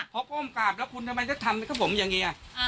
เพราะโก้มกราบนะกุลทำไมจะทีทำกับผมยังงี้